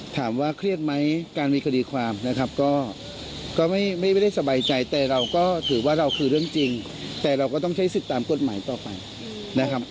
ถามว่าเครียดไหมการมีคดีความนะครับก็ไม่ได้สบายใจแต่เราก็ถือว่าเราคือเรื่องจริงแต่เราก็ต้องใช้สิทธิ์ตามกฎหมายต่อไปนะครับ